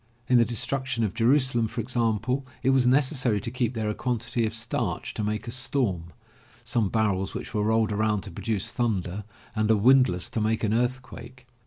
In the Destruction of Jeru salem, for example, it was necessary to keep there a quantity of starch to make a storm, some barrels which were rolled around to produce thunder, and a windlass to make an earthquake.